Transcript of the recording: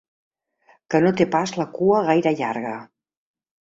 Que no té pas la cua gaire llarga.